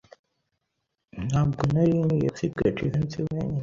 Ntabwo nari nkwiye gusiga Jivency wenyine.